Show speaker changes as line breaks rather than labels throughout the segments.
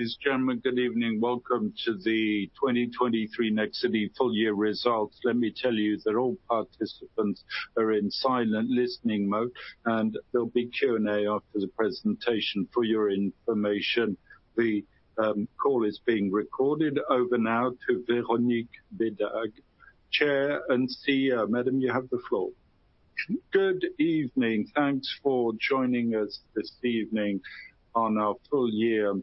Ladies, gentlemen, good evening. Welcome to the 2023 Nexity full year results. Let me tell you that all participants are in silent listening mode, and there'll be Q&A after the presentation. For your information, the call is being recorded over now to Véronique Bédague, Chair and CEO. Madam, you have the floor.
Good evening. Thanks for joining us this evening on our full year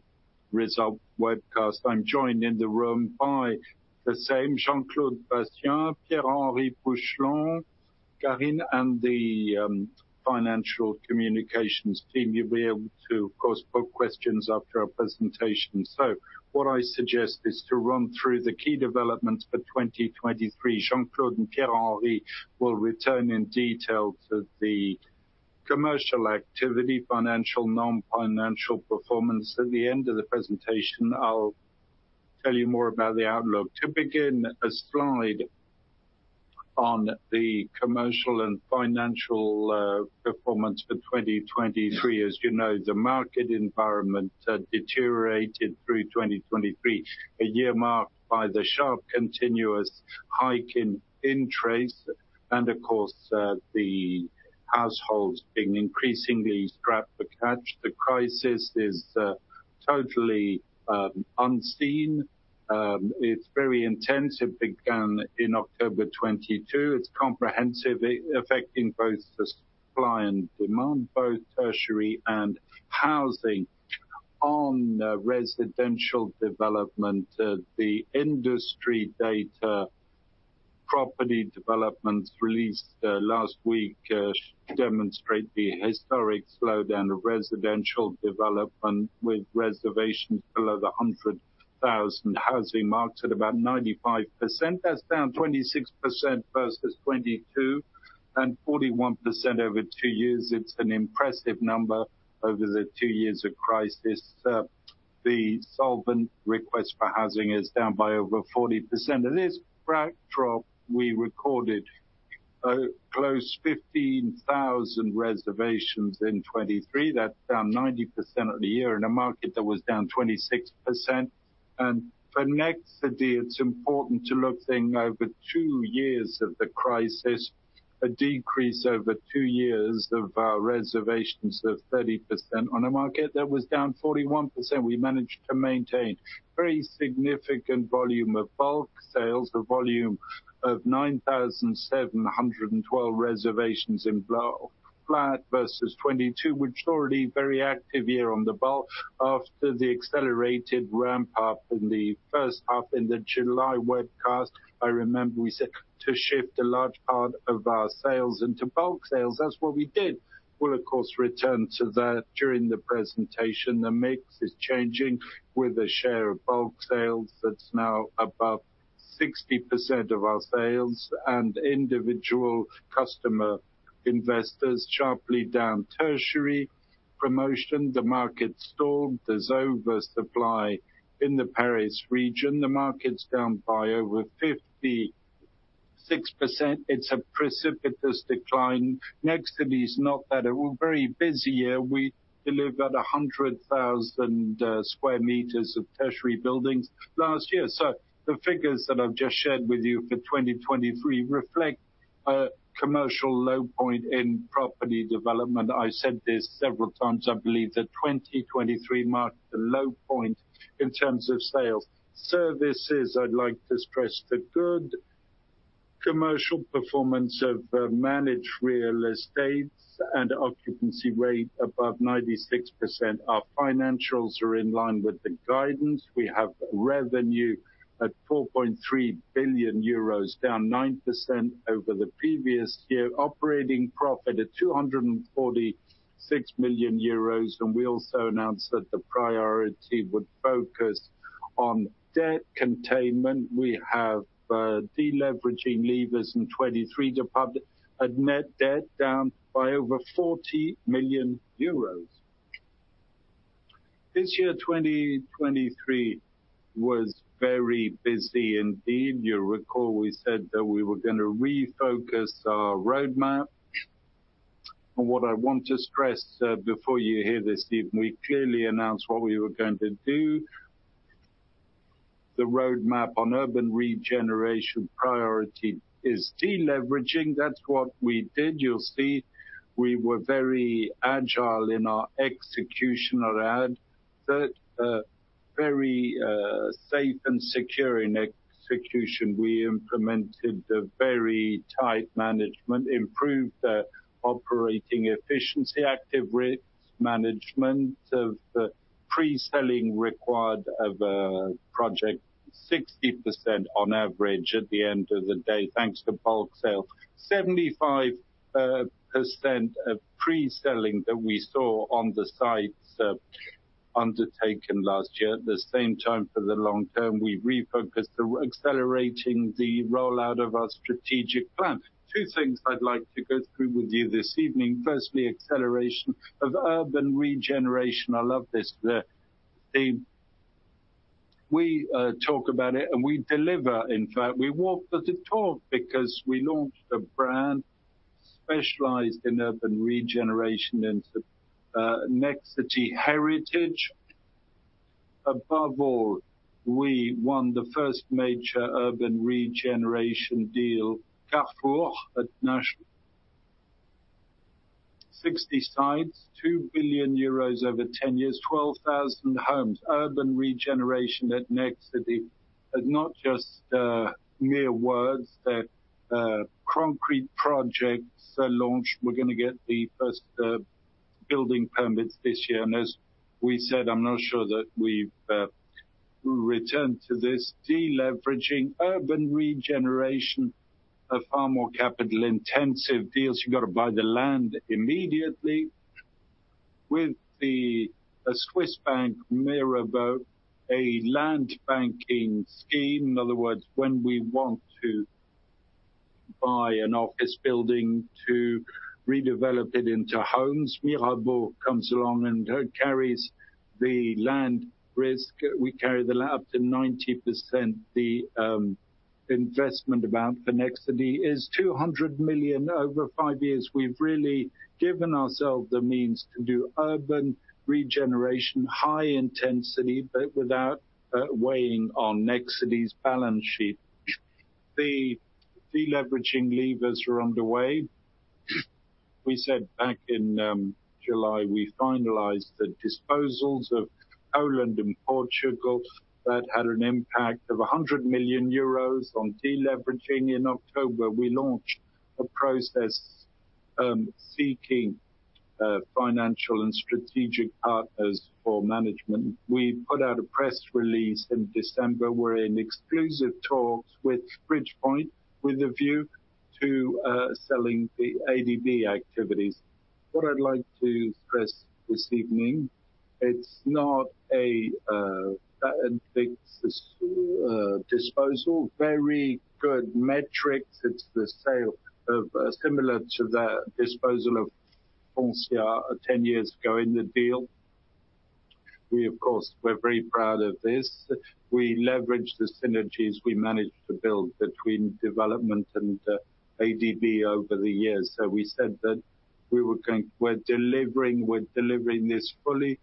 result webcast. I'm joined in the room by the team Jean-Claude Bassien, Pierre-Henry Pouchelon, Carine, and the financial communications team. You'll be able to, of course, pose questions after our presentation. So what I suggest is to run through the key developments for 2023. Jean-Claude and Pierre-Henry will return in detail to the commercial activity, financial, non-financial performance. At the end of the presentation, I'll tell you more about the outlook. To begin, a slide on the commercial and financial performance for 2023. As you know, the market environment deteriorated through 2023, a year marked by the sharp, continuous hike in interest, and of course, the households being increasingly strapped for cash. The crisis is totally unseen. It's very intense. It began in October 2022. It's comprehensively affecting both the supply and demand, both tertiary and housing. On the residential development, the industry data, property developments released last week demonstrate the historic slowdown of residential development, with reservations below the 100,000 housing marks at about 95%. That's down 26% versus 2022, and 41% over two years. It's an impressive number over the two years of crisis. The solvent request for housing is down by over 40%. In this sharp drop, we recorded close to 15,000 reservations in 2023. That's down 90% of the year in a market that was down 26%. And for Nexity, it's important to look then over two years of the crisis, a decrease over two years of reservations of 30% on a market that was down 41%. We managed to maintain very significant volume of bulk sales, a volume of 9,712 reservations in bulk flat versus 2022, which is already very active year on the bulk. After the accelerated ramp up in the first half in the July webcast, I remember we said to shift a large part of our sales into bulk sales. That's what we did. We'll, of course, return to that during the presentation. The mix is changing with a share of bulk sales that's now above 60% of our sales and individual customer investors sharply down. Tertiary promotion, the market stalled. There's oversupply in the Paris region. The market's down by over 56%. It's a precipitous decline. Nexity is not that... It was very busy year. We delivered 100,000 square meters of tertiary buildings last year. So the figures that I've just shared with you for 2023 reflect a commercial low point in property development. I've said this several times, I believe that 2023 marked the low point in terms of sales. Services, I'd like to stress the good commercial performance of managed real estates and occupancy rate above 96%. Our financials are in line with the guidance. We have revenue at 4.3 billion euros, down 9% over the previous year. Operating profit at 246 million euros, and we also announced that the priority would focus on debt containment. We have deleveraging levers in 2023 to put net debt down by over 40 million euros. This year, 2023, was very busy indeed. You recall, we said that we were gonna refocus our roadmap, and what I want to stress before you hear this eve, we clearly announced what we were going to do. The roadmap on urban regeneration priority is deleveraging. That's what we did. You'll see we were very agile in our execution around that, very safe and secure in execution. We implemented a very tight management, improved operating efficiency, active risk management of the pre-selling required of a project, 60% on average at the end of the day, thanks to bulk sale. 75% of pre-selling that we saw on the sites undertaken last year. At the same time, for the long term, we refocused on accelerating the rollout of our strategic plan. Two things I'd like to go through with you this evening. Firstly, acceleration of urban regeneration. I love this. We talk about it, and we deliver. In fact, we walk the talk because we launched a brand specialized in urban regeneration and Nexity Heritage. Above all, we won the first major urban regeneration deal, Carrefour, at national. 60 sites, 2 billion euros over 10 years, 12,000 homes. Urban regeneration at Nexity is not just mere words. They're concrete projects are launched. We're gonna get the first building permits this year, and as we said, I'm not sure that we've returned to this de-leveraging urban regeneration of far more capital-intensive deals. You've got to buy the land immediately with the Swiss bank Mirabaud, a land banking scheme. In other words, when we want to buy an office building to redevelop it into homes, Mirabaud comes along and carries the land risk. We carry the land up to 90%. The investment amount for Nexity is 200 million over 5 years. We've really given ourselves the means to do urban regeneration, high intensity, but without weighing on Nexity's balance sheet. The de-leveraging levers are underway. We said back in July, we finalized the disposals of Poland and Portugal that had an impact of 100 million euros on de-leveraging. In October, we launched a process seeking financial and strategic partners for management. We put out a press release in December. We're in exclusive talks with Bridgepoint, with a view to selling the ADB activities. What I'd like to stress this evening, it's not a fix disposal. Very good metrics. It's the sale of similar to the disposal of Foncia 10 years ago in the deal. We, of course, we're very proud of this. We leveraged the synergies we managed to build between development and ADB over the years. So we're delivering, we're delivering this fully,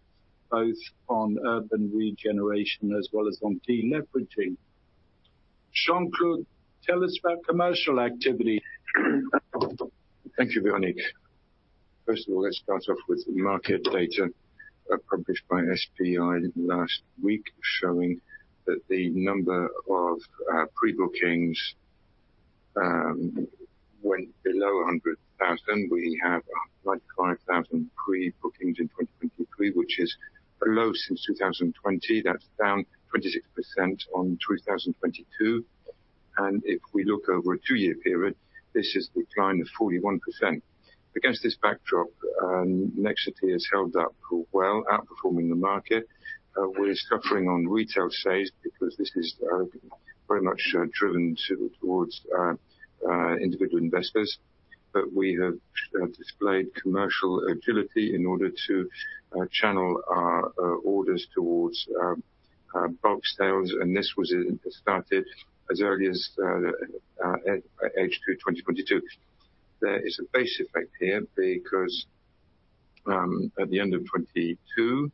both on urban regeneration as well as on de-leveraging. Jean-Claude, tell us about commercial activity.
Thank you, Véronique. First of all, let's start off with the market data published by FPI last week, showing that the number of pre-bookings went below 100,000. We have 95,000 pre-bookings in 2023, which is below since 2020. That's down 26% on 2022, and if we look over a two-year period, this is a decline of 41%. Against this backdrop, Nexity has held up well, outperforming the market. We're suffering on retail sales because this is very much driven towards individual investors, but we have displayed commercial agility in order to channel our orders towards bulk sales, and this was started as early as H2 2022. There is a base effect here because at the end of 2022,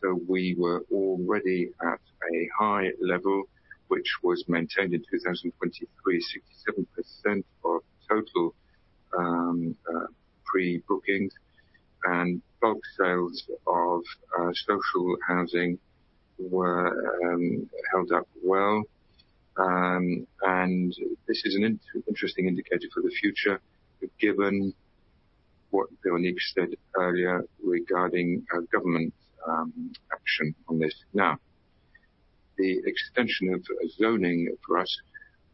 so we were already at a high level, which was maintained in 2023, 67% of total pre-bookings. And bulk sales of social housing were held up well, and this is an interesting indicator for the future, given what Véronique said earlier regarding government action on this. Now, the extension of zoning for us,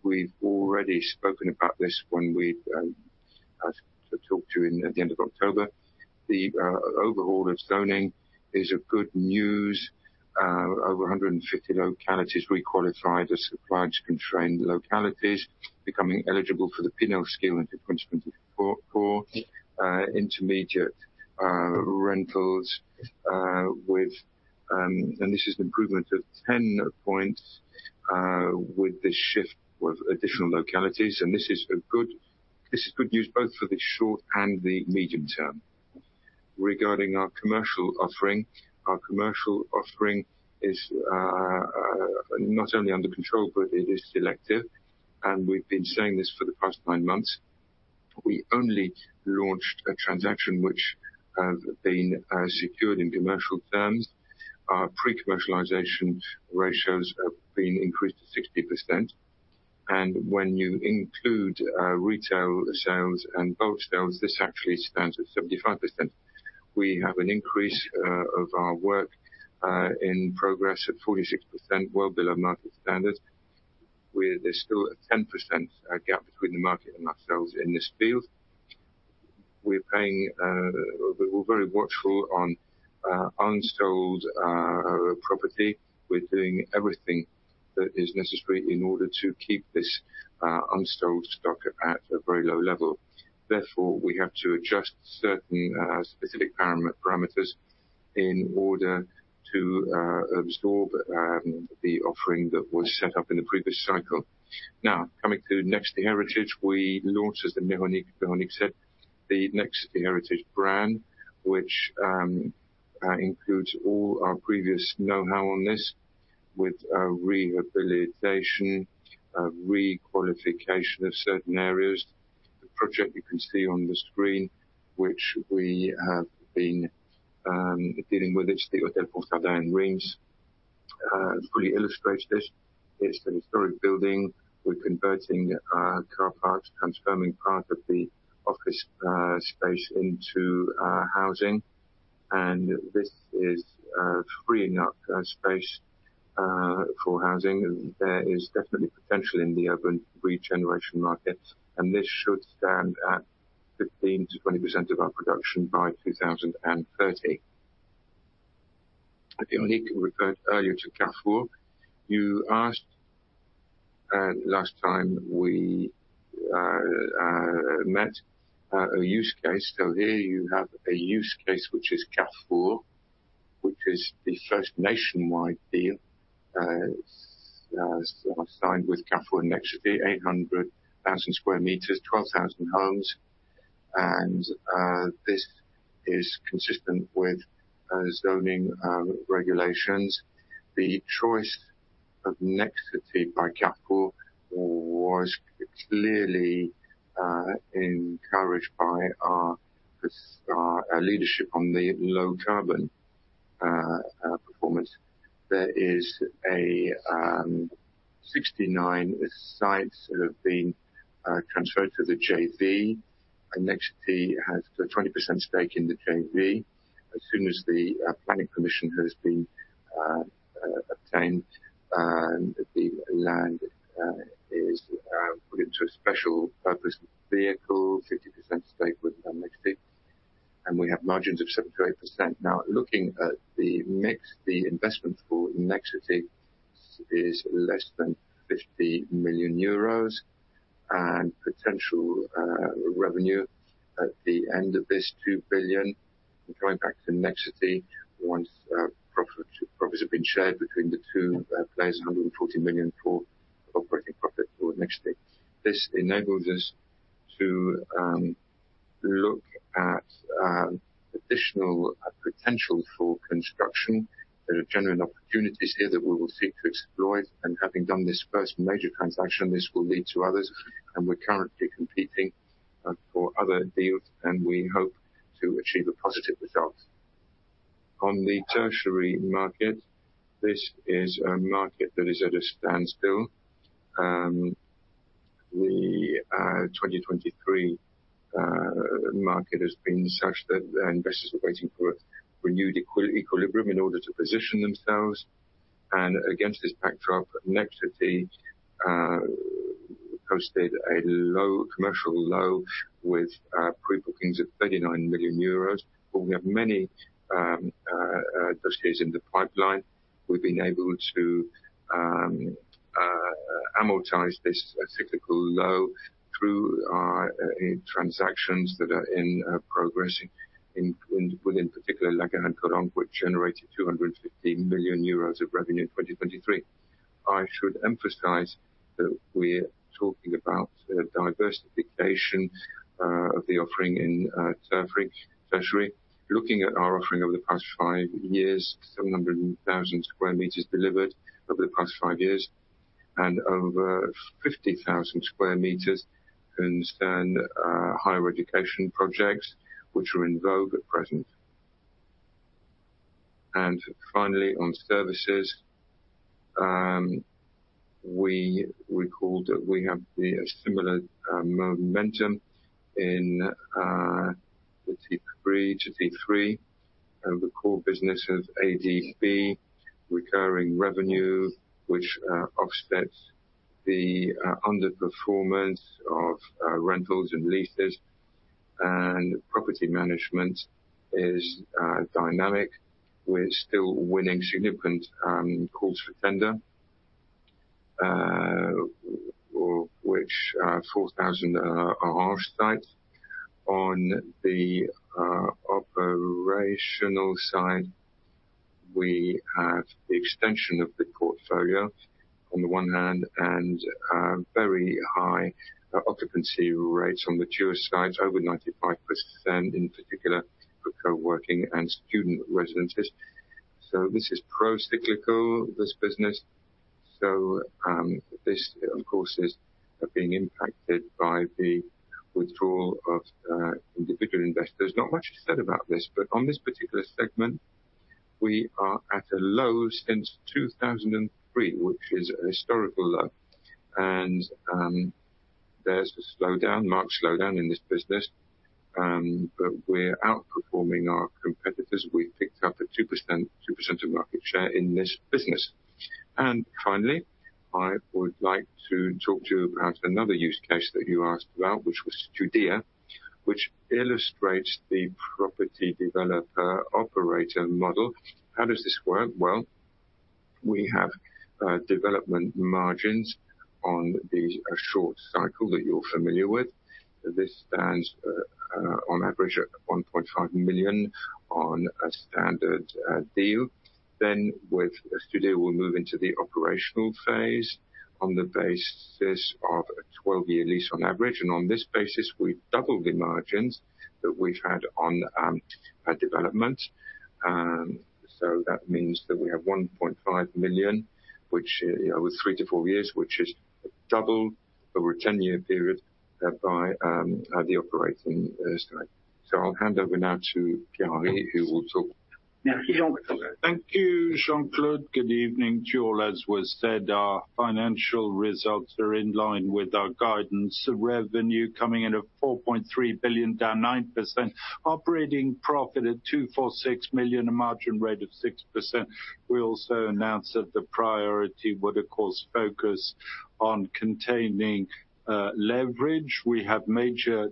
we've already spoken about this when we talked to you in the end of October. The overhaul of zoning is a good news. Over 150 localities requalified as supply-constrained localities, becoming eligible for the PINEL scheme in 2024, intermediate rentals with, and this is an improvement of 10 points with the shift of additional localities, and this is good news both for the short and the medium term. Regarding our commercial offering, our commercial offering is not only under control, but it is selective, and we've been saying this for the past 9 months. We only launched a transaction which have been secured in commercial terms. Our pre-commercialization ratios have been increased to 60%, and when you include retail sales and bulk sales, this actually stands at 75%. We have an increase of our work in progress at 46%, well below market standard, where there's still a 10% gap between the market and ourselves in this field. We're very watchful on unsold property. We're doing everything that is necessary in order to keep this unsold stock at a very low level. Therefore, we have to adjust certain specific parameters in order to absorb the offering that was set up in the previous cycle. Now, coming to Nexity Heritage, we launched, as Yannick said, the Nexity Heritage brand, which includes all our previous know-how on this, with a rehabilitation, a re-qualification of certain areas. The project you can see on the screen, which we have been dealing with, it's the Hôtel de Beauvais Reims, fully illustrates this. It's the historic building. We're converting car parks, transforming part of the office space into housing. And this is freeing up space for housing. There is definitely potential in the urban regeneration market, and this should stand at 15%-20% of our production by 2030. Yannick referred earlier to Carrefour. You asked last time we met a use case. So here you have a use case, which is Carrefour, which is the first nationwide deal signed with Carrefour and Nexity, 800,000 square meters, 12,000 homes. And this is consistent with zoning regulations. The choice of Nexity by Carrefour was clearly encouraged by our leadership on the low carbon performance. There is a 69 sites that have been transferred to the JV, and Nexity has a 20% stake in the JV. As soon as the planning permission has been obtained, the land is put into a special purpose vehicle, 50% stake with Nexity, and we have margins of 7%-8%. Now, looking at the mix, the investment for Nexity is less than 50 million euros, and potential revenue at the end of this, 2 billion. Going back to Nexity, once profit, profits have been shared between the two, there's 140 million for operating profit for Nexity. This enables us to look at additional potential for construction. There are genuine opportunities here that we will seek to exploit, and having done this first major transaction, this will lead to others, and we're currently competing for other deals, and we hope to achieve a positive result. On the tertiary market, this is a market that is at a standstill. The 2023 market has been such that investors are waiting for a renewed equilibrium in order to position themselves. Against this backdrop, Nexity posted a low, commercial low with pre-bookings of 39 million euros. But we have many those cases in the pipeline. We've been able to amortize this cyclical low through our transactions that are in progress, in particular, Lagardère and Corum, which generated 250 million euros of revenue in 2023. I should emphasize that we're talking about the diversification of the offering in tertiary. Looking at our offering over the past five years, 700,000 square meters delivered over the past five years, and over 50,000 square meters concern higher education projects, which are in vogue at present. And finally, on services, we recalled that we have a similar momentum in T3 to T3, and the core business of ADB, recurring revenue, which offsets the underperformance of rentals and leases. And property management is dynamic. We're still winning significant calls for tender, which 4,000 are our sites. On the operational side, we have the extension of the portfolio on the one hand, and very high occupancy rates on the tower side, over 95%, in particular, for coworking and student residences. So this is procyclical, this business, this, of course, is being impacted by the withdrawal of individual investors. Not much is said about this, but on this particular segment, we are at a low since 2003, which is a historical low. And there's a slowdown, marked slowdown in this business, but we're outperforming our competitors. We've picked up a 2%, 2% of market share in this business. And finally, I would like to talk to you about another use case that you asked about, which was Studéa, which illustrates the property developer-operator model. How does this work? Well. We have development margins on the short cycle that you're familiar with. This stands on average at 1.5 million on a standard deal. Then with a studio, we'll move into the operational phase on the basis of a 12-year lease on average, and on this basis, we've doubled the margins that we've had on development. So that means that we have 1.5 million, which, you know, with 3-4 years, which is double over a 10-year period by the operating slide. So I'll hand over now to Pierre, who will talk.
Thank you, Jean-Claude. Good evening to you all. As was said, our financial results are in line with our guidance. Revenue coming in at 4.3 billion, down 9%. Operating profit at 246 million, a margin rate of 6%. We also announced that the priority would, of course, focus on containing leverage. We have major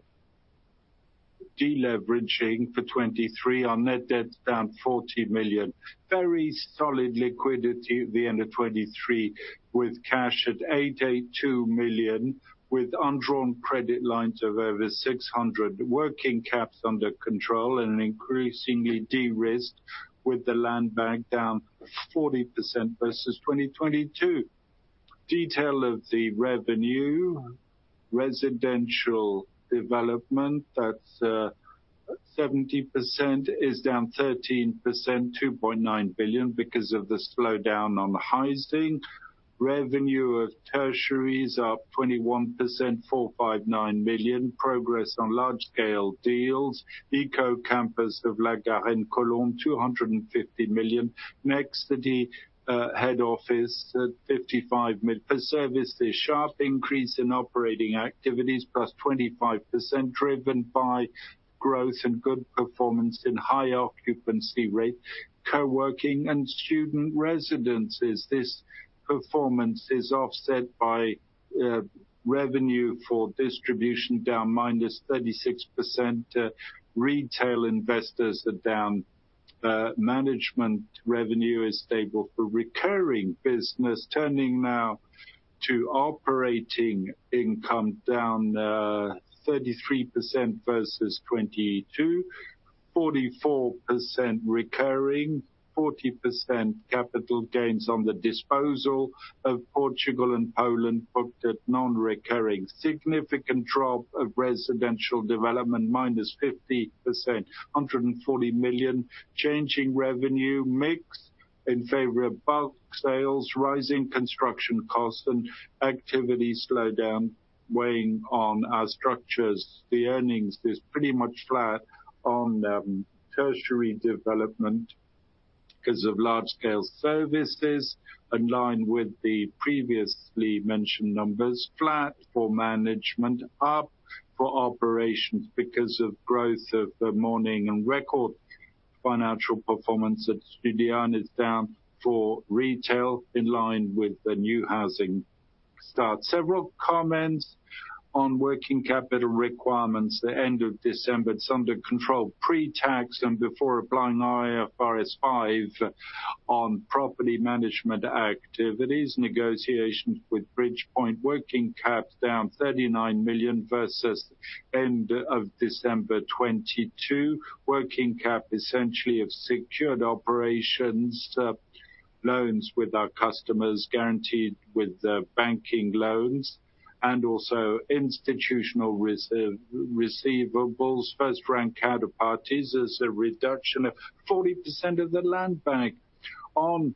de-leveraging for 2023. Our net debt is down 40 million. Very solid liquidity at the end of 2023, with cash at 882 million, with undrawn credit lines of over 600. Working caps under control and an increasingly de-risked, with the land bank down 40% versus 2022. Detail of the revenue, residential development, that's seventy percent, is down 13%, 2.9 billion, because of the slowdown on housing. Revenue of tertiaries up 21%, 459 million. Progress on large-scale deals, eco-campus of La Garenne-Colombes, 250 million. Nexity head office at 55 million. For services, sharp increase in operating activities, +25%, driven by growth and good performance in high occupancy rate, co-working and student residences. This performance is offset by revenue for distribution, down -36%. Retail investors are down. Management revenue is stable for recurring business. Turning now to operating income, down 33% versus 2022, 44% recurring, 40% capital gains on the disposal of Portugal and Poland, booked at non-recurring. Significant drop of residential development, -50%, 140 million. Changing revenue mix in favor of bulk sales, rising construction costs and activity slowdown weighing on our structures. The earnings is pretty much flat on tertiary development because of large-scale services in line with the previously mentioned numbers. Flat for management, up for operations because of growth of the morning and record financial performance at Studéa is down for retail, in line with the new housing start. Several comments on working capital requirements. The end of December, it's under control, pre-tax and before applying IFRS 5 on property management activities, negotiations with Bridgepoint, working cap down 39 million versus end of December 2022. Working cap essentially of secured operations, loans with our customers, guaranteed with banking loans and also institutional receivables, first-rank counterparties. There's a reduction of 40% of the land bank. On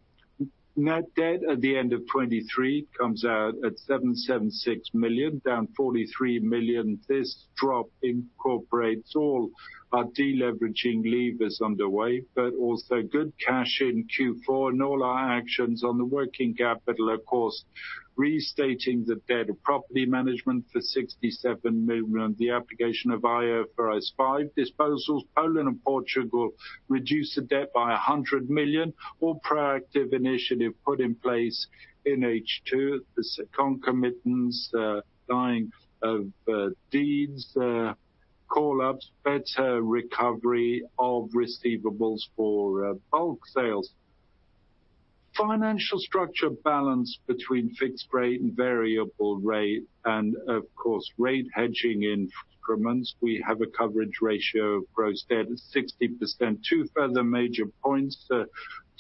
net debt at the end of 2023, comes out at 776 million, down 43 million. This drop incorporates all our deleveraging levers underway, but also good cash in Q4 and all our actions on the working capital, of course, restating the debt of property management for 67 million, the application of IFRS 5 disposals. Poland and Portugal reduced the debt by 100 million, all proactive initiative put in place in H2. The second commitments, signing of deeds, call ups, better recovery of receivables for bulk sales. Financial structure balance between fixed rate and variable rate, and of course, rate hedging in increments. We have a coverage ratio of gross debt at 60%. Two further major points,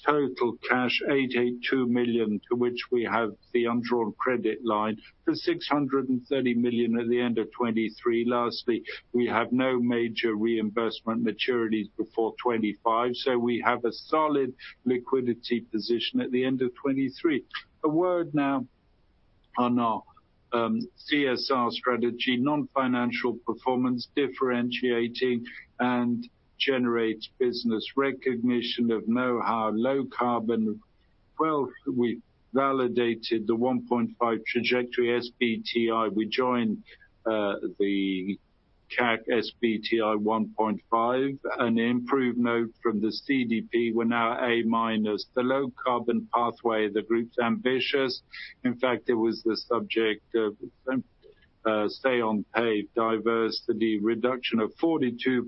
the total cash, 882 million, to which we have the undrawn credit line for 630 million at the end of 2023. Lastly, we have no major reimbursement maturities before 25, so we have a solid liquidity position at the end of 2023. A word now on our CSR strategy, non-financial performance, differentiating and generate business, recognition of know-how, low carbon. Well, we validated the 1.5 trajectory, SBTI. We joined the CAC SBTI 1.5, an improved note from the CDP, we're now A-. The low carbon pathway, the group's ambitious. In fact, it was the subject of say on pay, diversity, reduction of 42%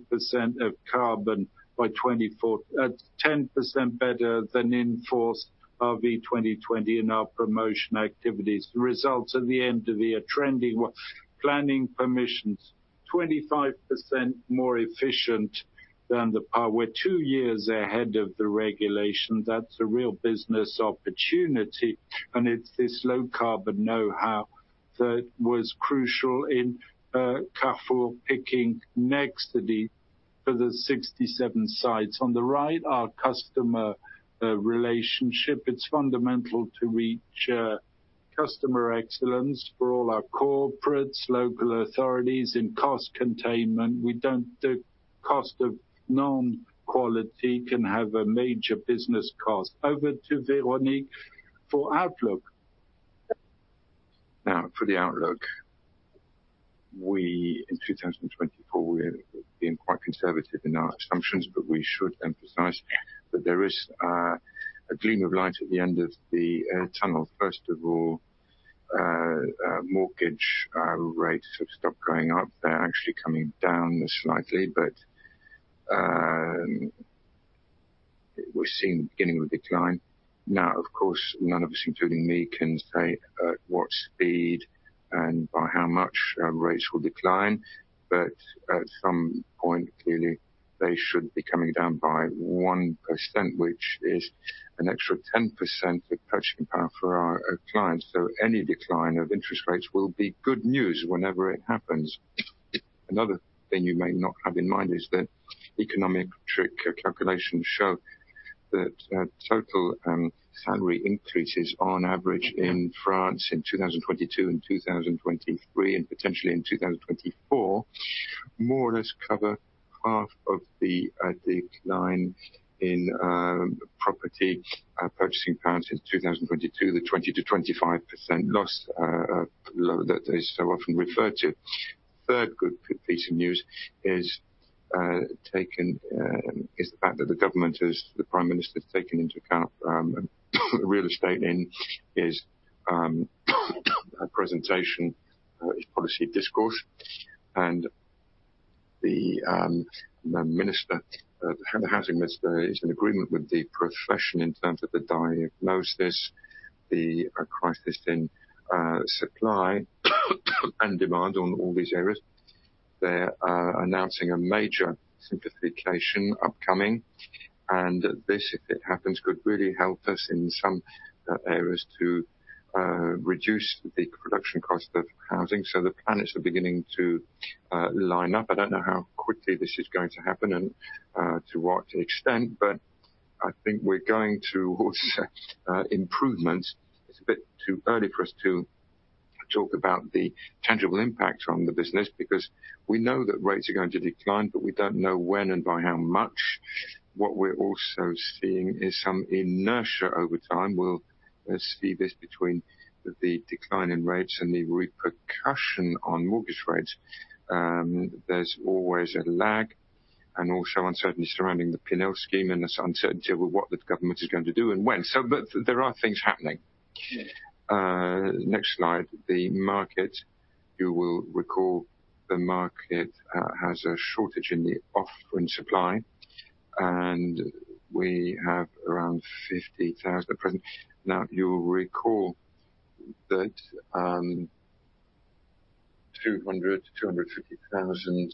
of carbon by 2024—ten percent better than in force of the 2020 in our promotion activities. The results at the end of the year, trending well. Planning permissions, 25% more efficient than the power. We're two years ahead of the regulation. That's a real business opportunity, and it's this low carbon know-how that was crucial in Carrefour picking Nexity for the 67 sites. On the right, our customer relationship. It's fundamental to reach customer excellence for all our corporates, local authorities in cost containment. We don't. The cost of non-quality can have a major business cost. Over to Véronique for outlook.
Now, for the outlook, we in 2024, we're being quite conservative in our assumptions, but we should emphasize that there is a gleam of light at the end of the tunnel. First of all, mortgage rates have stopped going up. They're actually coming down slightly, but we're seeing the beginning of a decline. Now, of course, none of us, including me, can say what speed and by how much rates will decline, but at some point, clearly, they should be coming down by 1%, which is an extra 10% of purchasing power for our clients. So any decline of interest rates will be good news whenever it happens. Another thing you may not have in mind is that econometric calculations show that total salary increases on average in France in 2022 and 2023, and potentially in 2024, more or less cover half of the decline in property purchasing power since 2022, the 20%-25% loss that is so often referred to. Third good piece of news is the fact that the government is... the Prime Minister has taken into account real estate in his presentation, his policy discourse. And the minister, the Housing Minister, is in agreement with the profession in terms of the diagnosis, the crisis in supply and demand on all these areas. They're announcing a major simplification upcoming, and this, if it happens, could really help us in some areas to reduce the production cost of housing, so the planets are beginning to line up. I don't know how quickly this is going to happen and to what extent, but I think we're going to improvements. It's a bit too early for us to talk about the tangible impact on the business, because we know that rates are going to decline, but we don't know when and by how much. What we're also seeing is some inertia over time. We'll see this between the decline in rates and the repercussion on mortgage rates. There's always a lag and also uncertainty surrounding the Pinel scheme, and there's uncertainty over what the government is going to do and when. So, but there are things happening. Next slide, the market. You will recall the market has a shortage in the offer and supply, and we have around 50,000 present. Now, you'll recall that 200,000-250,000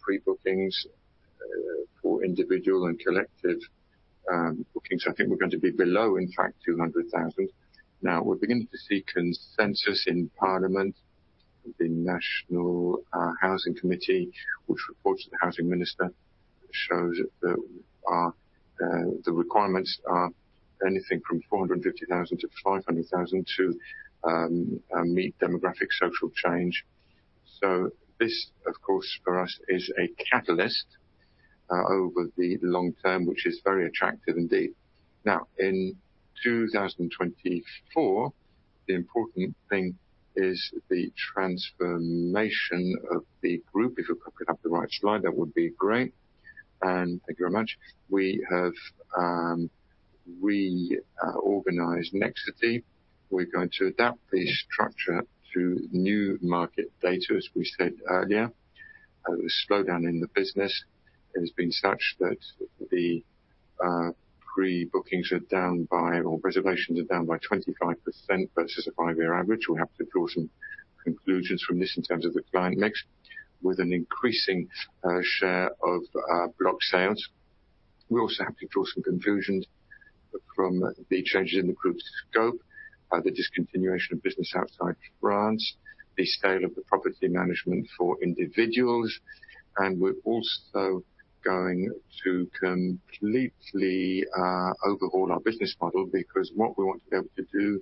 pre-bookings for individual and collective bookings. I think we're going to be below, in fact, 200,000. Now, we're beginning to see consensus in parliament. The National Housing Committee, which reports to the Housing Minister, shows that the requirements are anything from 450,000-500,000 to meet demographic social change. So this, of course, for us, is a catalyst over the long term, which is very attractive indeed. Now, in 2024, the important thing is the transformation of the group. If you could put up the right slide, that would be great. Thank you very much. We have reorganized Nexity. We're going to adapt the structure to new market data, as we said earlier. The slowdown in the business has been such that the pre-bookings are down by, or reservations are down by 25% versus a five-year average. We'll have to draw some conclusions from this in terms of the client mix, with an increasing share of block sales. We also have to draw some conclusions from the changes in the group's scope, the discontinuation of business outside France, the scale of the property management for individuals, and we're also going to completely overhaul our business model, because what we want to be able to do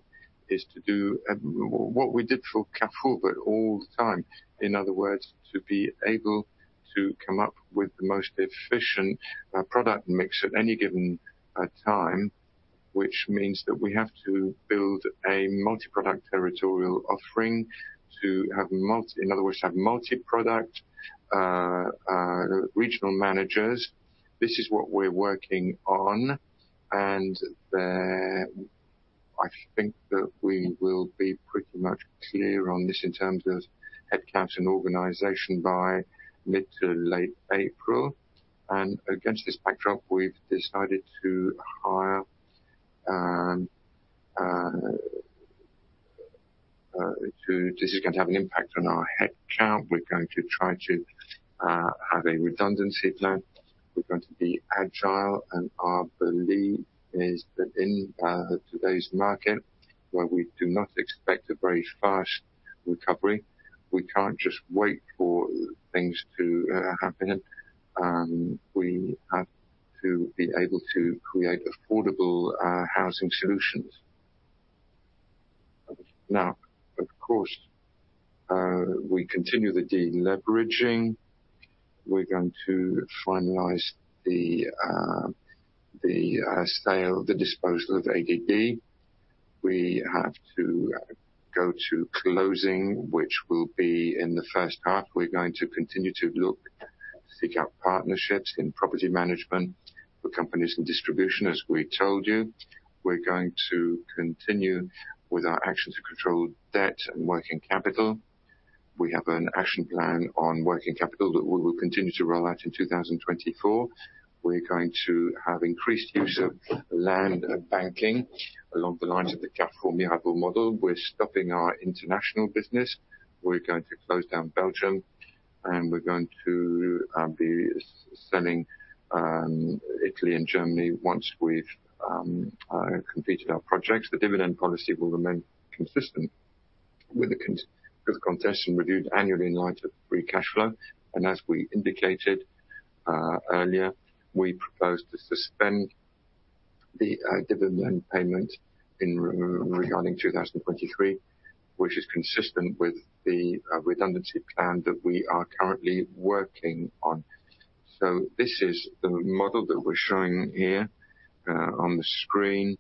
is to do what we did for Carrefour, but all the time. In other words, to be able to come up with the most efficient product mix at any given time, which means that we have to build a multi-product territorial offering to have, in other words, have multi-product regional managers. This is what we're working on, and I think that we will be pretty much clear on this in terms of headcount and organization by mid- to late April. Against this backdrop, we've decided to hire. This is going to have an impact on our headcount. We're going to try to have a redundancy plan. We're going to be agile, and our belief is that in today's market, where we do not expect a very fast recovery, we can't just wait for things to happen, and we have to be able to create affordable housing solutions. Now, of course, we continue the de-leveraging. We're going to finalize the sale, the disposal of ADB. We have to go to closing, which will be in the first half. We're going to continue to look, seek out partnerships in property management for companies in distribution, as we told you. We're going to continue with our actions to control debt and working capital. We have an action plan on working capital that we will continue to roll out in 2024. We're going to have increased use of land banking along the lines of the Carrefour Mirabaud model. We're stopping our international business. We're going to close down Belgium, and we're going to be selling Italy and Germany once we've completed our projects. The dividend policy will remain consistent with the context and reviewed annually in light of free cash flow. As we indicated earlier, we propose to suspend the dividend payment regarding 2023, which is consistent with the redundancy plan that we are currently working on. This is the model that we're showing here on the screen.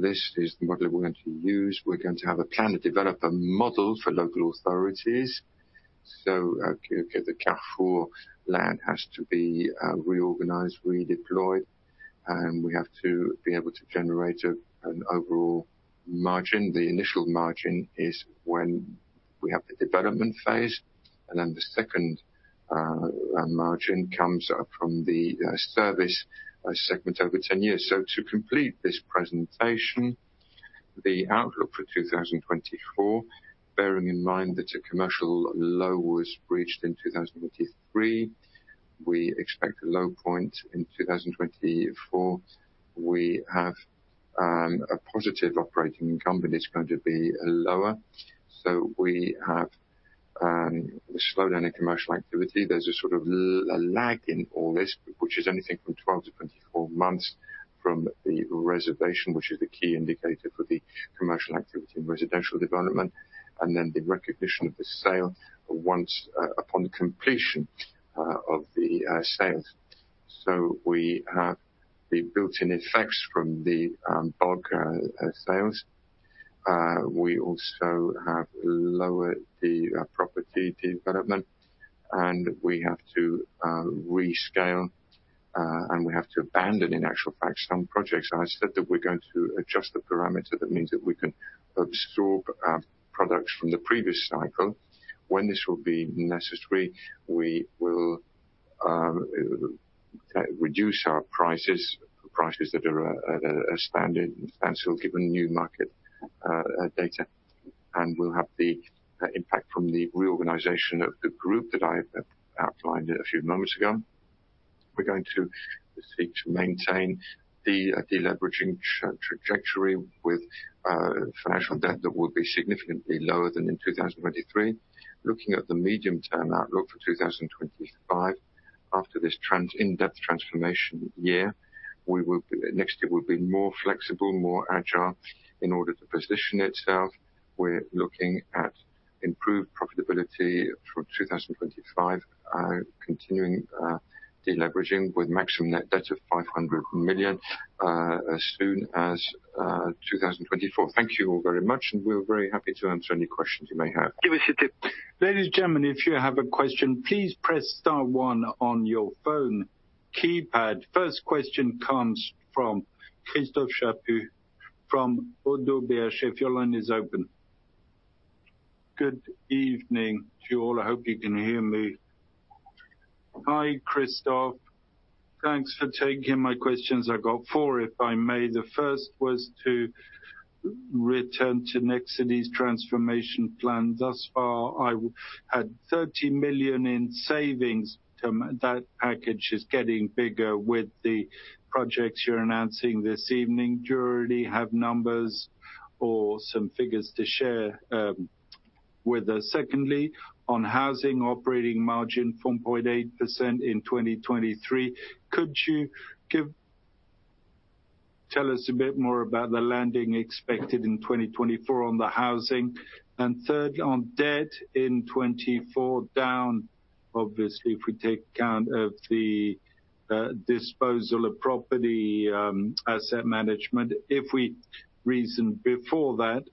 This is the model we're going to use. We're going to have a plan to develop a model for local authorities. So, okay, the Carrefour land has to be reorganized, redeployed, and we have to be able to generate an overall margin. The initial margin is when we have the development phase, and then the second margin comes up from the service segment over 10 years. So to complete this presentation, the outlook for 2024, bearing in mind that a commercial low was breached in 2023, we expect a low point in 2024. We have a positive operating income, but it's going to be lower. So we have a slowdown in commercial activity. There's a sort of a lag in all this, which is anything from 12-24 months from the reservation, which is the key indicator for the commercial activity and residential development, and then the recognition of the sale once upon completion of the sales. So we have the built-in effects from the bulk sales. We also have lowered the property development, and we have to rescale, and we have to abandon, in actual fact, some projects. I said that we're going to adjust the parameter, that means that we can absorb products from the previous cycle. When this will be necessary, we will reduce our prices, prices that are standard, and so given new market data, and we'll have the impact from the reorganization of the group that I outlined a few moments ago. We're going to seek to maintain the de-leveraging trajectory with financial debt that will be significantly lower than in 2023. Looking at the medium-term outlook for 2025, after this in-depth transformation year, Nexity will be more flexible, more agile in order to position itself. We're looking at improved profitability from 2025, continuing deleveraging with maximum net debt of 500 million as soon as 2024. Thank you all very much, and we're very happy to answer any questions you may have.
Ladies, gentlemen, if you have a question, please press star one on your phone keypad. First question comes from Christophe Chaput from Oddo BHF. Your line is open.
Good evening to you all. I hope you can hear me.
Hi, Christophe.
Thanks for taking my questions. I've got four, if I may. The first was to return to Nexity's transformation plan. Thus far, I had 30 million in savings to... That package is getting bigger with the projects you're announcing this evening. Do you already have numbers or some figures to share, with us? Secondly, on housing operating margin, 4.8% in 2023, could you tell us a bit more about the landing expected in 2024 on the housing? And third, on debt in 2024, down, obviously, if we take account of the disposal of property asset management. If we reason before that,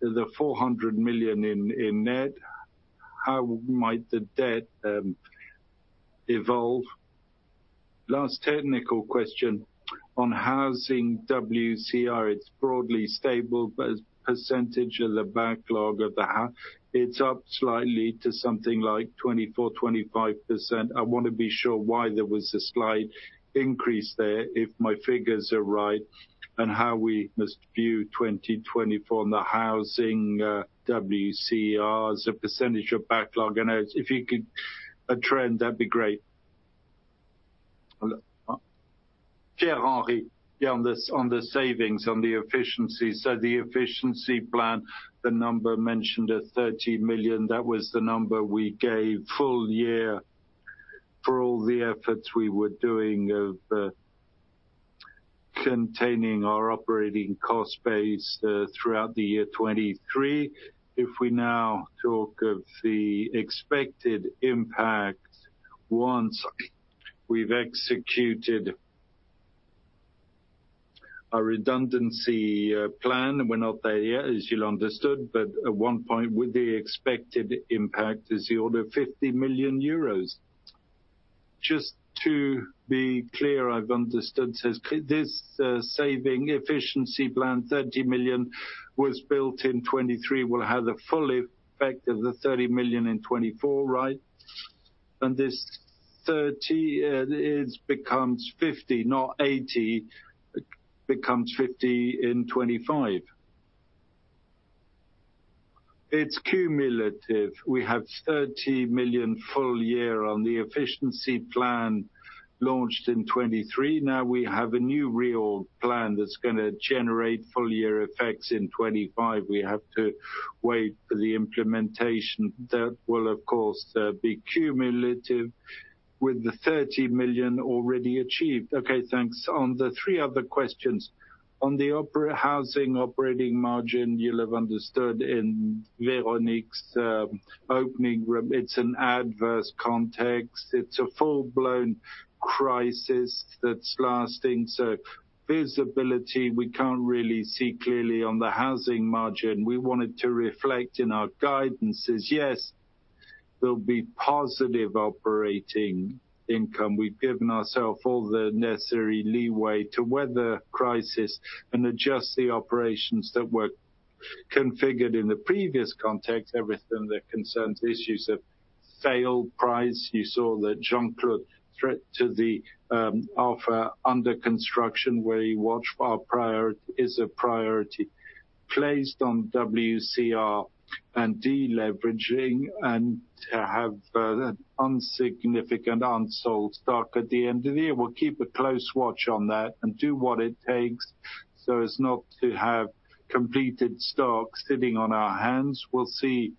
the 400 million in net... how might the debt evolve? Last technical question on housing WCR, it's broadly stable, but as percentage of the backlog of the housing, it's up slightly to something like 24%-25%. I wanna be sure why there was a slight increase there, if my figures are right, and how we must view 2024 on the housing, WCR as a percentage of backlog. I know if you could, a trend, that'd be great.
Pierre-Henri, yeah, on the, on the savings, on the efficiency. So the efficiency plan, the number mentioned 30 million, that was the number we gave full year for all the efforts we were doing of, containing our operating cost base, throughout the year 2023. If we now talk of the expected impact once we've executed a redundancy plan, we're not there yet, as you'll understood, but at one point, with the expected impact is the order of 50 million euros. Just to be clear, I've understood, so this saving efficiency plan, 30 million, was built in 2023, will have the full effect of the 30 million in 2024, right? And this thirty, it becomes 50, not 80, becomes 50 in 2025. It's cumulative. We have 30 million full year on the efficiency plan launched in 2023. Now we have a new real plan that's gonna generate full year effects in 2025. We have to wait for the implementation. That will, of course, be cumulative with the 30 million already achieved.
Okay, thanks.
On the three other questions, on the operating housing operating margin, you'll have understood in Véronique's opening remarks. It's an adverse context. It's a full-blown crisis that's lasting, so visibility, we can't really see clearly on the housing margin. We wanted to reflect in our guidances, yes, there'll be positive operating income. We've given ourself all the necessary leeway to weather crisis and adjust the operations that were configured in the previous context. Everything that concerns issues of sale, price, you saw that Jean-Claude referred to the offer under construction, where our priority is a priority placed on WCR and deleveraging, and to have insignificant unsold stock at the end of the year. We'll keep a close watch on that and do what it takes, so as not to have completed stock sitting on our hands. We'll see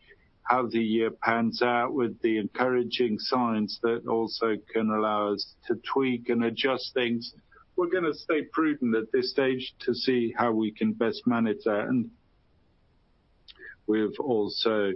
how the year pans out with the encouraging signs that also can allow us to tweak and adjust things. We're gonna stay prudent at this stage to see how we can best manage that, and we've also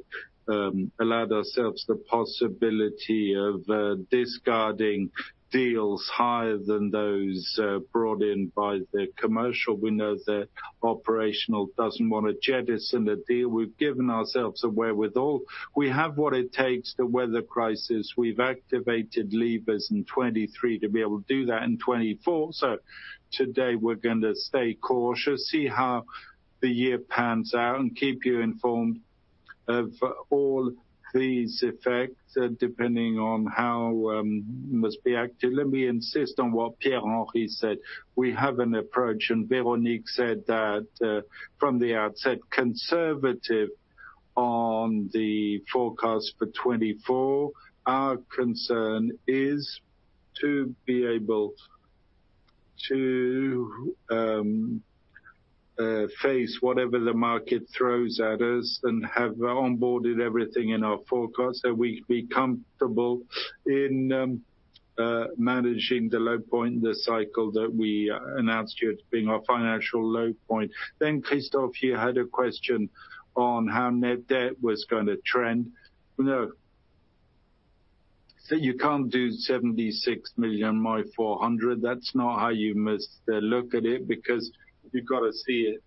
allowed ourselves the possibility of discarding deals higher than those brought in by the commercial. We know the operational doesn't want to jettison the deal. We've given ourselves a wherewithal. We have what it takes to weather crisis. We've activated levers in 2023 to be able to do that in 2024. So today, we're gonna stay cautious, see how the year pans out, and keep you informed of all these effects depending on how must be acted. Let me insist on what Pierre-Henry said. We have an approach, and Véronique said that from the outset, conservative on the forecast for 2024. Our concern is to be able to face whatever the market throws at us and have onboarded everything in our forecast, so we could be comfortable in managing the low point in the cycle that we announced it being our financial low point. Then, Christophe, you had a question on how net debt was going to trend. No. So you can't do 76 million, more 400. That's not how you must look at it, because you've got to see it,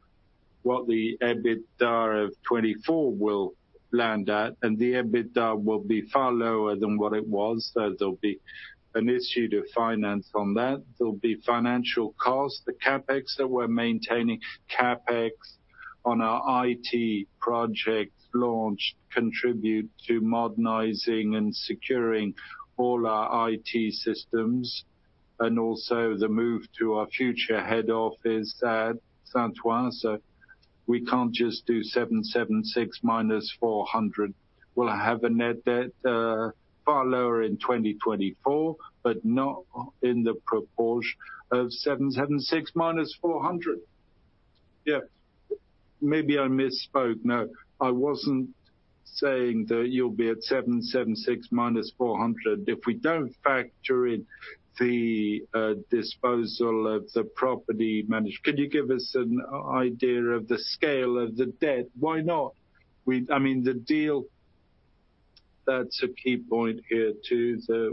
what the EBITDA of 2024 will land at, and the EBITDA will be far lower than what it was. So there'll be an issue to finance on that. There'll be financial costs, the CapEx that we're maintaining. CapEx on our IT projects launch contribute to modernizing and securing all our IT systems, and also the move to our future head office at Saint-Ouen. So we can't just do 776 - 400. We'll have a net debt far lower in 2024, but not in the proportion of 776 - 400. Yeah. Maybe I misspoke. No, I wasn't saying that you'll be at 776 - 400. If we don't factor in the disposal of the property management—
Could you give us an idea of the scale of the debt?
Why not? I mean, the deal, that's a key point here, too. There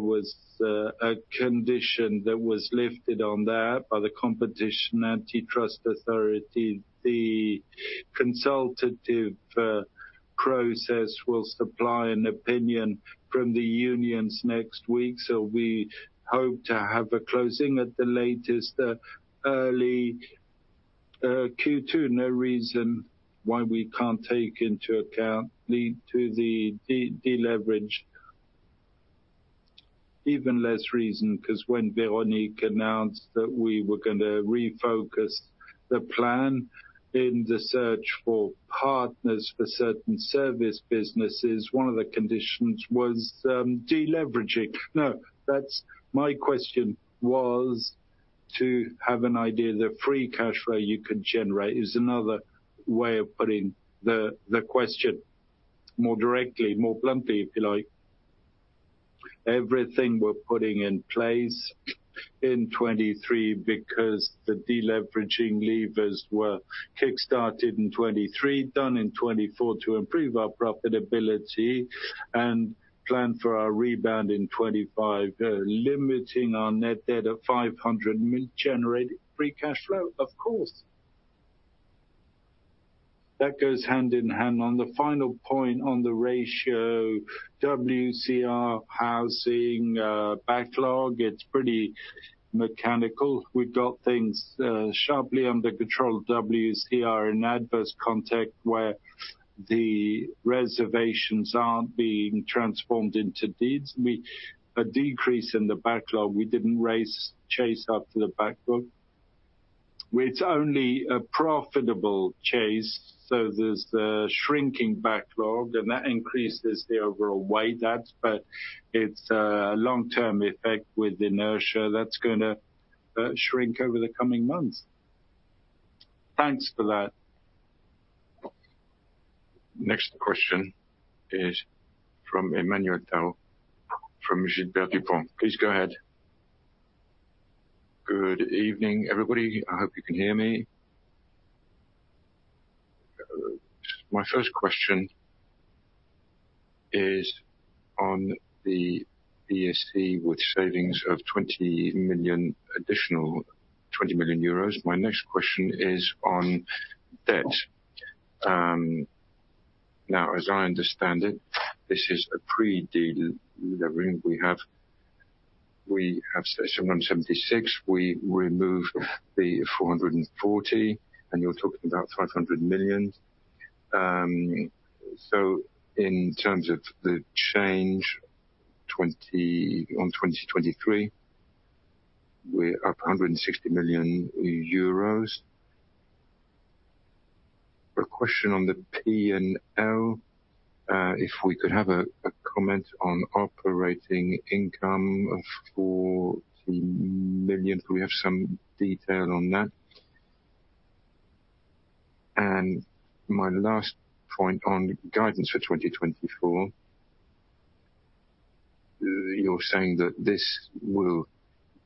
was a condition that was lifted on that by the Competition Antitrust Authority, the consultative— ... process will supply an opinion from the unions next week, so we hope to have a closing at the latest, early Q2. No reason why we can't take into account the deleverage. Even less reason, 'cause when Véronique announced that we were gonna refocus the plan in the search for partners for certain service businesses, one of the conditions was deleveraging. No, that's my question was to have an idea of the free cash flow you could generate, is another way of putting the question more directly, more bluntly, if you like. Everything we're putting in place in 2023, because the deleveraging levers were kickstarted in 2023, done in 2024 to improve our profitability and plan for our rebound in 2025, limiting our net debt at 500 million, generating free cash flow, of course. That goes hand in hand. On the final point on the ratio, WCR housing, backlog, it's pretty mechanical. We've got things sharply under control. WCR in adverse context, where the reservations aren't being transformed into deeds. A decrease in the backlog, we didn't chase after the backlog. It's only a profitable chase, so there's the shrinking backlog, and that increases the overall net debt, but it's a long-term effect with inertia that's gonna shrink over the coming months.
Thanks for that.
Next question is from Emmanuel Parot, from Gilbert Dupont. Please go ahead.
Good evening, everybody. I hope you can hear me. My first question is on the ESC, with savings of 20 million... additional 20 million euros. My next question is on debt. Now, as I understand it, this is a pre-deal leverage. We have net debt 176, we removed the 440, and you're talking about 500 million. So in terms of the change, from 2023, we're up EUR 160 million. A question on the P&L, if we could have a comment on operating income of 40 million. Could we have some detail on that? And my last point on guidance for 2024, you're saying that this will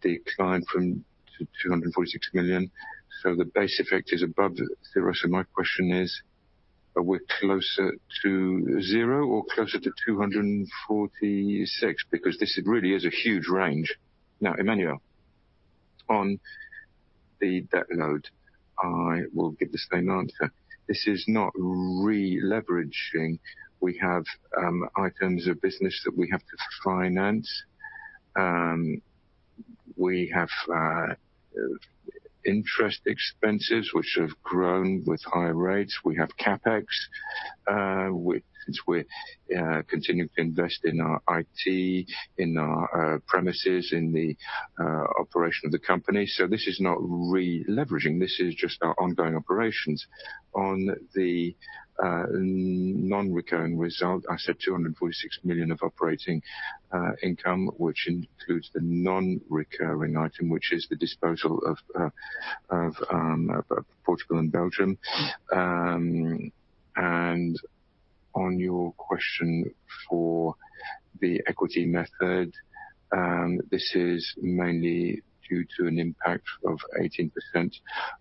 decline from 246 million, so the base effect is above zero. So my question is, are we closer to 0 or closer to 246? Because this really is a huge range.
Now, Emmanuel, on the debt load, I will give the same answer. This is not re-leveraging. We have items of business that we have to finance. We have interest expenses, which have grown with high rates. We have CapEx, which we're continuing to invest in our IT, in our premises, in the operation of the company. So this is not re-leveraging, this is just our ongoing operations. On the non-recurring result, I said 246 million of operating income, which includes the non-recurring item, which is the disposal of Portugal and Belgium. And on your question for the equity method, this is mainly due to an impact of 18%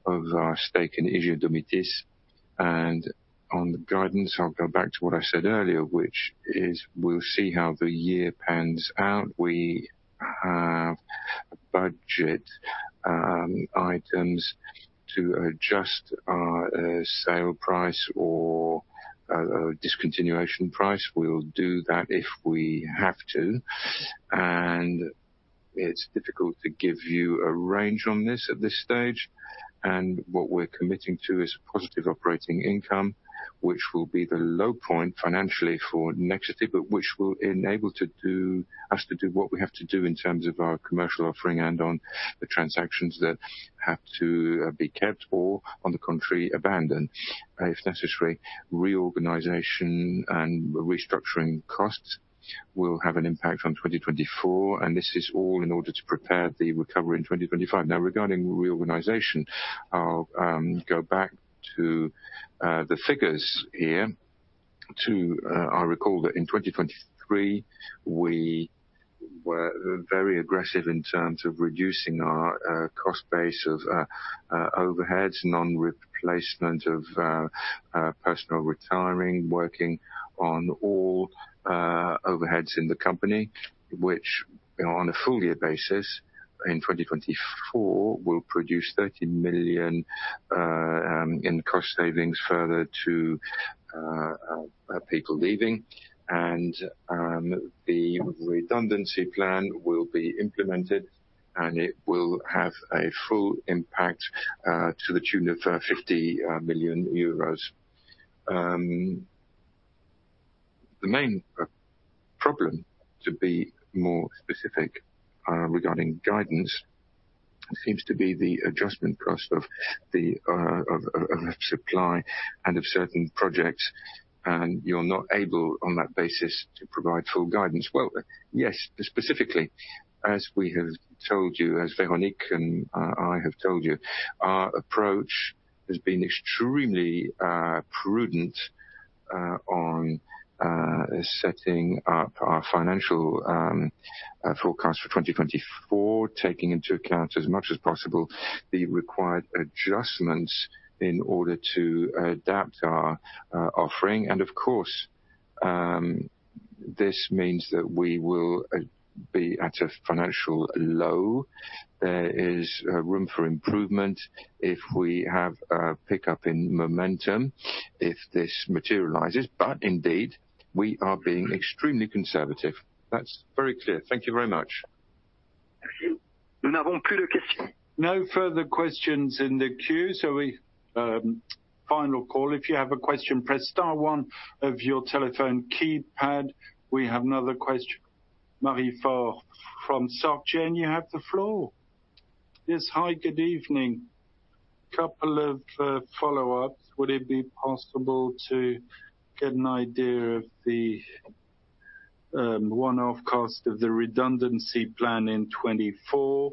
of our stake in Aegide-Domitys. And on the guidance, I'll go back to what I said earlier, which is we'll see how the year pans out. We have budget items to adjust our sale price or a discontinuation price. We'll do that if we have to, and it's difficult to give you a range on this at this stage. And what we're committing to is positive operating income, which will be the low point financially for Nexity, but which will enable us to do what we have to do in terms of our commercial offering and on the transactions that have to be kept or on the contrary, abandoned. If necessary, reorganization and restructuring costs will have an impact on 2024, and this is all in order to prepare the recovery in 2025. Now, regarding reorganization, I'll go back to the figures here to I recall that in 2023, we were very aggressive in terms of reducing our cost base of overheads, non-replacement of personnel retiring, working on all overheads in the company, which on a full year basis, in 2024, will produce 13 million in cost savings further to people leaving. The redundancy plan will be implemented, and it will have a full impact to the tune of 50 million euros. The main problem, to be more specific, regarding guidance, seems to be the adjustment cost of the supply and of certain projects, and you're not able, on that basis, to provide full guidance. Well, yes, specifically, as we have told you, as Véronique and I have told you, our approach has been extremely prudent on setting up our financial forecast for 2024, taking into account as much as possible, the required adjustments in order to adapt our offering. And of course, this means that we will be at a financial low. There is room for improvement if we have a pickup in momentum, if this materializes, but indeed, we are being extremely conservative. That's very clear. Thank you very much.
No further questions in the queue, so we... Final call. If you have a question, press star one on your telephone keypad. We have another question. Marie-Line Fort from SocGen, you have the floor.
Yes. Hi, good evening. Couple of follow-ups. Would it be possible to get an idea of the one-off cost of the redundancy plan in 2024?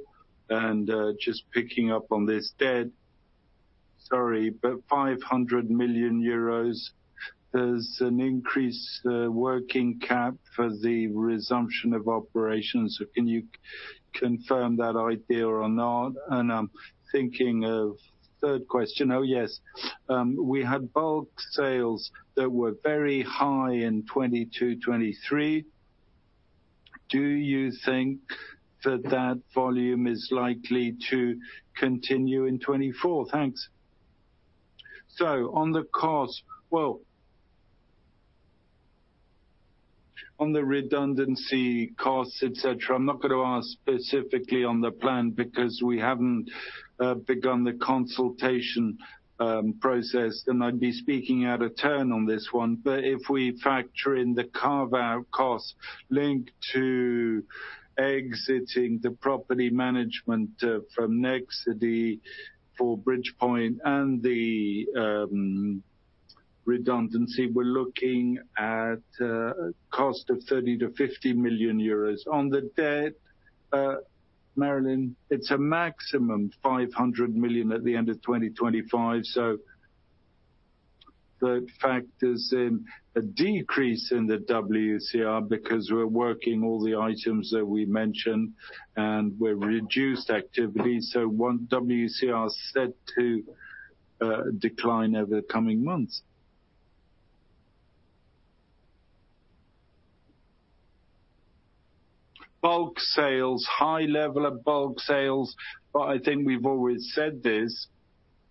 And just picking up on this debt, sorry, but 500 million euros, there's an increased working cap for the resumption of operations. So can you confirm that idea or not? And I'm thinking of third question. Oh, yes. We had bulk sales that were very high in 2022, 2023. Do you think that that volume is likely to continue in 2024? Thanks.
So on the cost, well, on the redundancy costs, et cetera, I'm not going to ask specifically on the plan because we haven't begun the consultation process, and I'd be speaking out of turn on this one. But if we factor in the carve-out cost linked to exiting the property management from Nexity for Bridgepoint and the redundancy, we're looking at a cost of 30 million-50 million euros. On the debt, Marie-Line, it's a maximum 500 million at the end of 2025, so the fact is in a decrease in the WCR because we're working all the items that we mentioned, and we've reduced activity, so WCR is set to decline over the coming months. Bulk sales, high level of bulk sales, but I think we've always said this,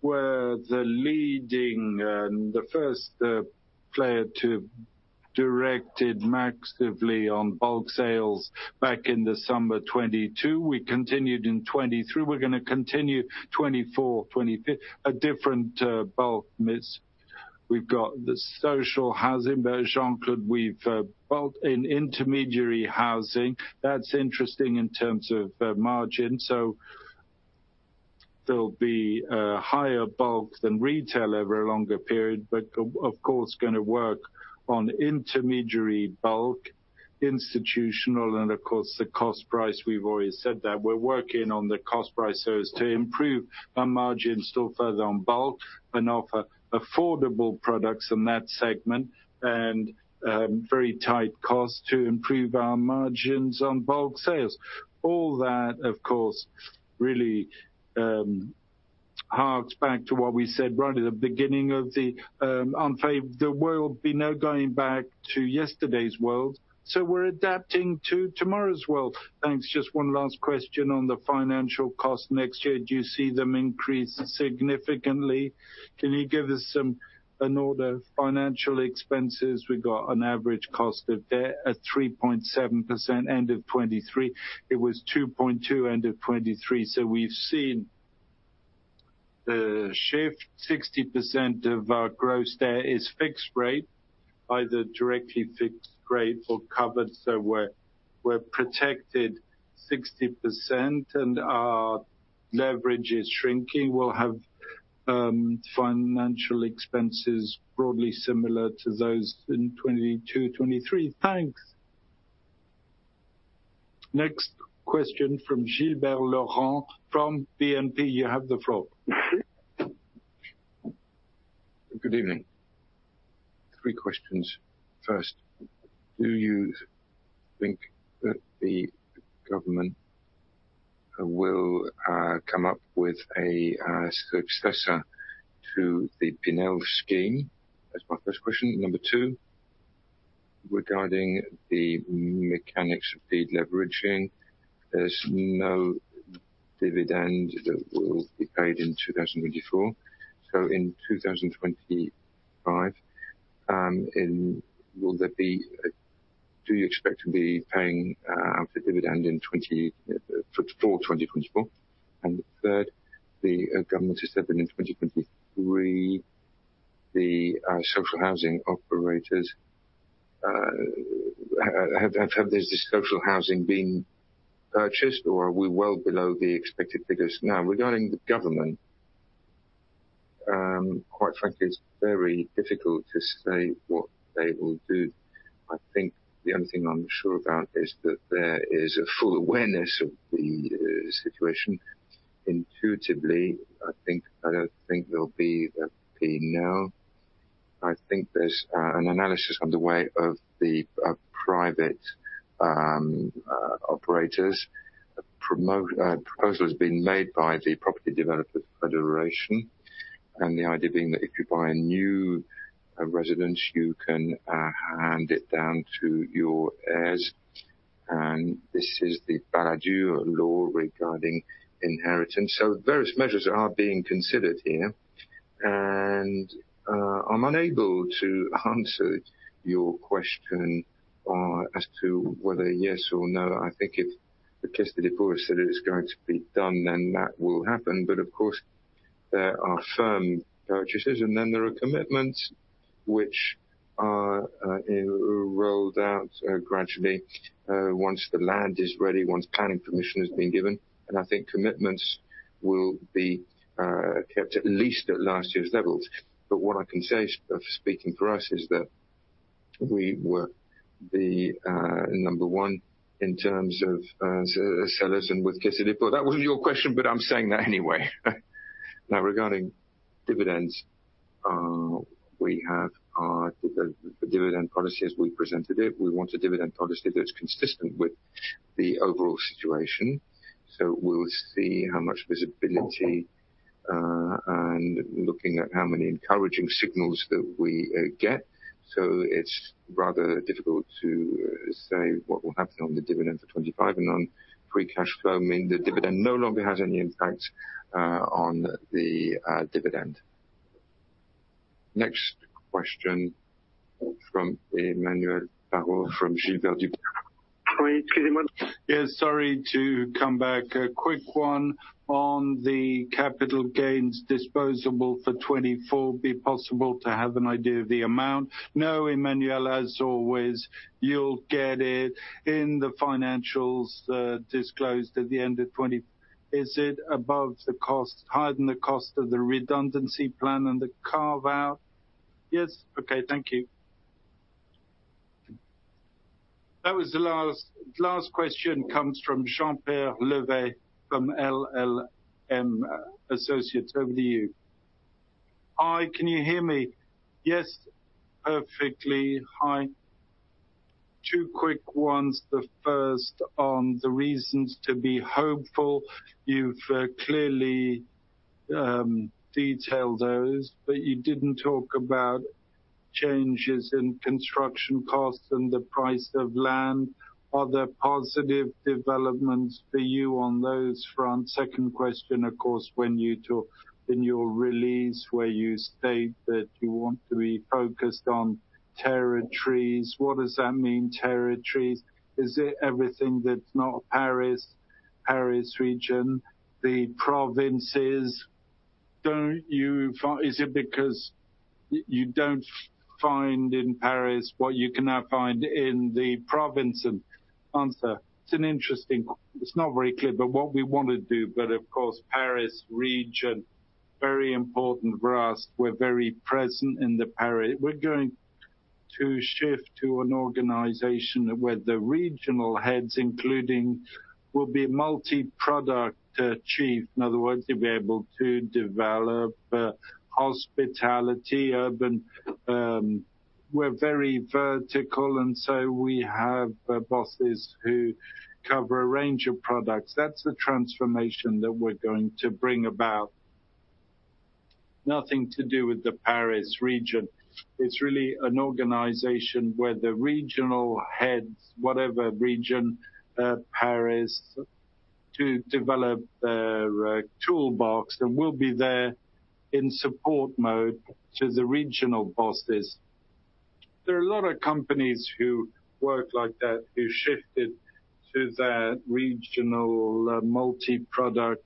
we're the leading, the first, player to direct it massively on bulk sales back in December 2022. We continued in 2023. We're gonna continue 2024, 2025, a different bulk mix. We've got the social housing version. Could we've built an intermediary housing? That's interesting in terms of margin. So there'll be a higher bulk than retail over a longer period, but of course gonna work on intermediary bulk, institutional, and of course, the cost price. We've always said that. We're working on the cost price so as to improve our margins still further on bulk and offer affordable products in that segment and very tight cost to improve our margins on bulk sales. All that, of course, really, harks back to what we said right at the beginning of the, There will be no going back to yesterday's world, so we're adapting to tomorrow's world.
Thanks. Just one last question on the financial cost next year, do you see them increase significantly? Can you give us some...
An order of financial expenses, we got an average cost of debt at 3.7%, end of 2023. It was 2.2, end of 2023. So we've seen the shift, 60% of our gross debt is fixed rate, either directly fixed rate or covered, so we're, we're protected 60%, and our leverage is shrinking. We'll have, financial expenses broadly similar to those in 2022, 2023.
Thanks.
Next question from Gélébart, Laurent from BNP, you have the floor.
Good evening. Three questions. First, do you think that the government will come up with a successor to the Pinel scheme? That's my first question. Number two. Regarding the mechanics of the leveraging, there's no dividend that will be paid in 2024. So in 2025, do you expect to be paying the dividend in 2025 for 2024? And third, the government has said that in 2023, the social housing operators have. There's this social housing being purchased, or are we well below the expected figures?
Now, regarding the government, quite frankly, it's very difficult to say what they will do. I think the only thing I'm sure about is that there is a full awareness of the situation. Intuitively, I think I don't think there'll be a PNO. I think there's an analysis underway of the private operators. A promo proposal has been made by the Property Developers Federation, and the idea being that if you buy a new residence, you can hand it down to your heirs, and this is the Pinel law regarding inheritance. So various measures are being considered here, and I'm unable to answer your question as to whether yes or no. I think if the Caisse des Dépôts said it is going to be done, then that will happen. But of course, there are firm purchases, and then there are commitments which are rolled out gradually once the land is ready, once planning permission has been given, and I think commitments will be kept at least at last year's levels. But what I can say, speaking for us, is that we were the number one in terms of sellers and with Caisse des Dépôts. That wasn't your question, but I'm saying that anyway. Now, regarding dividends, we have our the dividend policy as we presented it. We want a dividend policy that's consistent with the overall situation, so we'll see how much visibility and looking at how many encouraging signals that we get. So it's rather difficult to say what will happen on the dividend for 25 and on free cash flow, meaning the dividend no longer has any impact on the dividend.
Next question from Emmanuel Parot, from Gilbert Dupont.
Hi, excuse me much? Yes, sorry to come back. A quick one on the capital gains disposable for 2024, be possible to have an idea of the amount?
No, Emmanuel, as always, you'll get it in the financials, disclosed at the end of 2024.
Is it above the cost, higher than the cost of the redundancy plan and the carve-out?
Yes.
Okay, thank you. That was the last. Last question comes from Jean-Pierre Leveille, from LLM Associates. Over to you.
Hi, can you hear me?
Yes, perfectly. Hi.
Two quick ones. The first on the reasons to be hopeful. You've clearly detailed those, but you didn't talk about changes in construction costs and the price of land. Are there positive developments for you on those fronts? Second question, of course, when you talk in your release where you state that you want to be focused on territories, what does that mean, territories?
Is it everything that's not Paris, Paris region, the provinces? Don't you find in Paris what you can now find in the province? And answer, it's an interesting. It's not very clear, but what we want to do, but of course, Paris region, very important for us. We're very present in the Paris. We're going to shift to an organization where the regional heads, including, will be multi-product chief. In other words, they'll be able to develop hospitality, urban... We're very vertical, and so we have bosses who cover a range of products. That's the transformation that we're going to bring about. Nothing to do with the Paris region. It's really an organization where the regional heads, whatever region, Paris, to develop their toolbox, and we'll be there in support mode to the regional bosses. There are a lot of companies who work like that, who shifted to that regional multi-product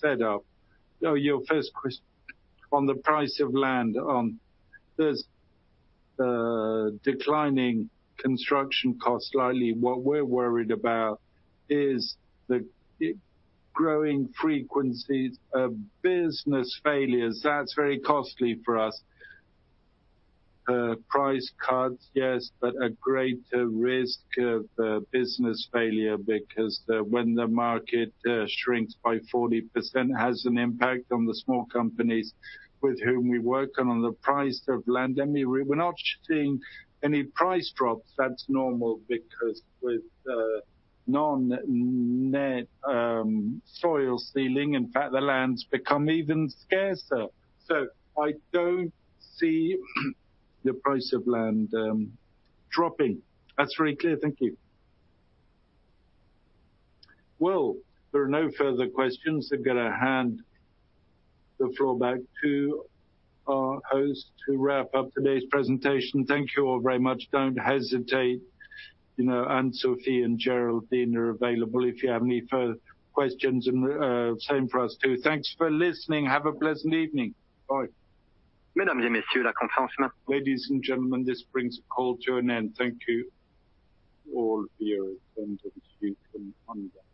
setup. Now, your first question on the price of land, there's declining construction costs slightly. What we're worried about is the growing frequencies of business failures. That's very costly for us. Price cuts, yes, but a greater risk of business failure, because when the market shrinks by 40%, it has an impact on the small companies with whom we work. And on the price of land, I mean, we're not seeing any price drops. That's normal because with no net soil sealing, in fact, the lands become even scarcer. So I don't see the price of land dropping. That's very clear. Thank you. Well, there are no further questions. I'm gonna hand the floor back to our host to wrap up today's presentation. Thank you all very much. Don't hesitate, you know, Anne-Sophie and Geraldine are available if you have any further questions, and same for us, too. Thanks for listening. Have a pleasant evening. Bye.
Ladies and gentlemen, this brings the call to an end. Thank you all for your attendance. You can hang up.